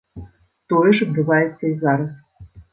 Тое ж адбываецца і зараз.